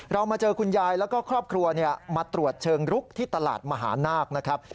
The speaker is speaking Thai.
มาเจอคุณยายแล้วก็ครอบครัวมาตรวจเชิงลุกที่ตลาดมหานาคนะครับ